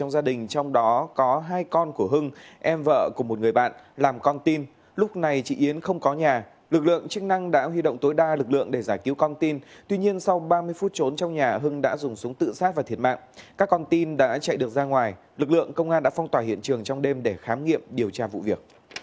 xin chào và hẹn gặp lại các bạn trong những video tiếp theo